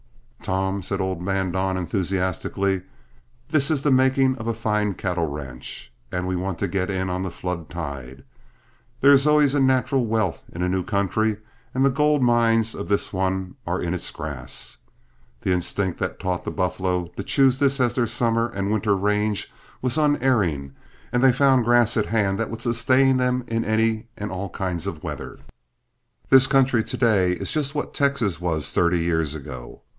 "Tom," said old man Don, enthusiastically, "this is the making of a fine cattle ranch, and we want to get in on the flood tide. There is always a natural wealth in a new country, and the goldmines of this one are in its grass. The instinct that taught the buffalo to choose this as their summer and winter range was unerring, and they found a grass at hand that would sustain them in any and all kinds of weather. This country to day is just what Texas was thirty years ago.